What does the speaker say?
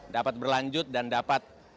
dapat berlanjut dan dapat